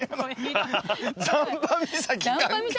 残波岬関係ない。